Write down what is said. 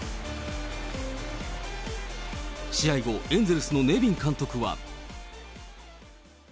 試合後、エンゼルスのネビン監督は。